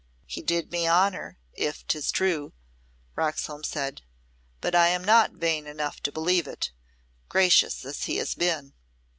"He did me honour, if 'tis true," Roxholm said, "but I am not vain enough to believe it gracious as he has been."